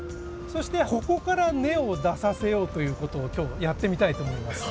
そしてここから根を出させようという事を今日やってみたいと思います。